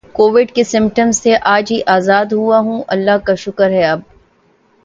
Covid کے symptoms تھے اج ہی ازاد ہوا ہوں اللہ کا شکر ہے اب